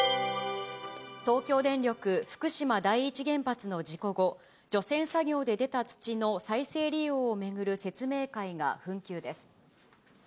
東京電力福島第一原発の事故後、除染作業で出た土の再生利用を巡る説明会が紛糾です。